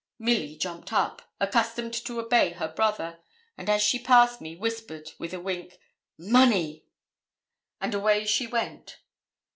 Milly jumped up, accustomed to obey her brother, and as she passed me, whispered, with a wink 'Money.' And away she went.